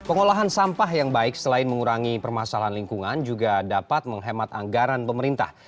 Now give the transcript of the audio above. pengolahan sampah yang baik selain mengurangi permasalahan lingkungan juga dapat menghemat anggaran pemerintah